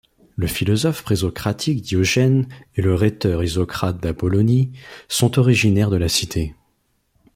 Le philosophe présocratique Diogène et le rhéteur Isocrate d'Apollonie sont originaires de la cité.